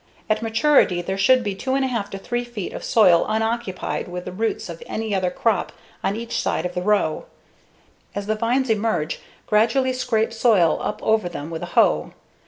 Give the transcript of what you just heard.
At maturity there should be 2[f]1/2 to 3 feet of soil unoccupied with the roots of any other crop on each side of the row. As the vines emerge, gradually scrape soil up over them with a hoe.